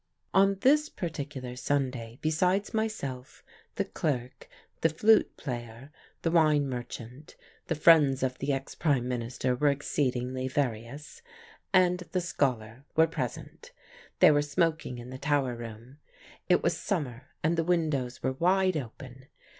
On this particular Sunday, besides myself, the clerk, the flute player, the wine merchant (the friends of the ex Prime Minister were exceedingly various), and the scholar were present. They were smoking in the tower room. It was summer, and the windows were wide open.